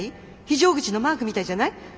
非常口のマークみたいじゃない？